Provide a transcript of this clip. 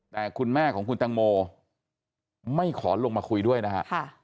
แต่คุณแม่ของคุณตังโมไม่ขอลงมาคุยด้วยนะฮะ